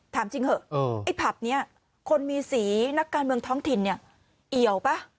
ถามจริงเถอะไอ้ผับนี้คนมีสีนักการเมืองท้องถิ่นเนี่ยเอี่ยวป่ะ